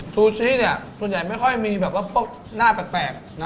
ซูชิเนี่ยส่วนใหญ่ไม่ค่อยมีแบบว่าพวกหน้าแปลกนะ